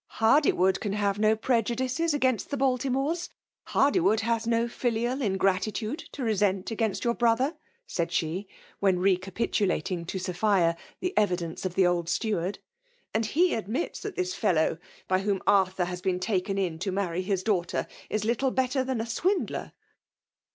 " Hardywood can have no prgudkes agauist tiisse Baltiraores ; Hardywood has no filial ■igratitiide to resent against yonr brother,^ said she^ when recapitnlating to Sofhia the cndenee of the old stewasrd/ '' and Ae admits thai lids fdiow, hy whom Arthur has been takea in to marry his daughter, is little bettet tfian a swindler